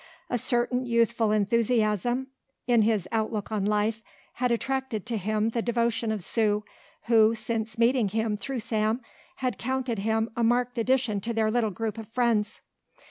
A certain youthful enthusiasm in his outlook on life had attracted to him the devotion of Sue, who, since meeting him through Sam, had counted him a marked addition to their little group of friends.